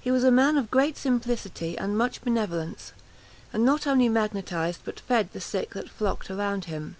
He was a man of great simplicity and much benevolence, and not only magnetised but fed the sick that flocked around him.